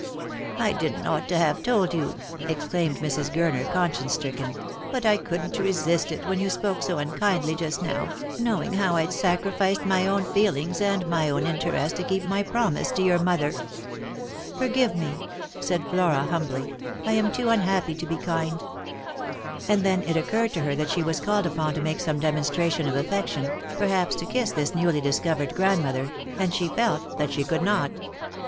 " I didn't ought to have told you," exclaimed Mrs. Gurner, conscience stricken, " but I couldn't resist it, when you spoke so unkindly just now, knowing how I'd sacrificed my own feel ings and my own interest to keep my promise to your mother." " Forgive me," said Flora humbly ;" I am too unhappy to be kind." And then it occurred to her that she was called upon to make some demonstration of affection — perhaps to kiss this newly discovered grandmother — and she felt that she could not.